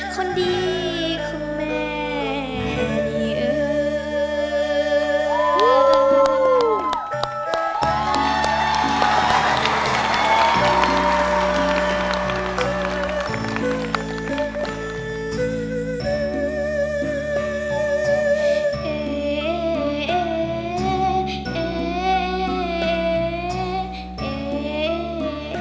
ขอบคุณครับ